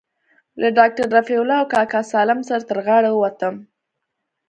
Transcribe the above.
له ډاکتر رفيع الله او کاکا سالم سره تر غاړې ووتم.